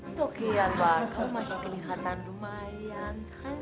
gak apa apa kamu masih kelihatan lumayan